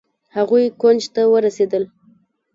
هغوئ کونج ته ورسېدل.